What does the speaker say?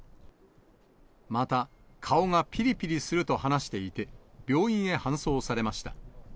また、顔がぴりぴりすると話していて、病院へ搬送されました。